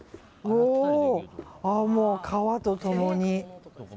もう、川と共に。